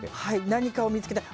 何かを見つけたい。